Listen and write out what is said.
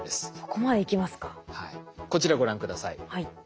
こちらご覧下さい。